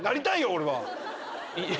俺は。